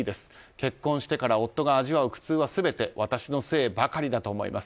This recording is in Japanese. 結婚してから夫が味わう苦痛は全て私のせいばかりだと思います。